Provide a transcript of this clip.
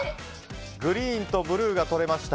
グリーンとブルーが取れました。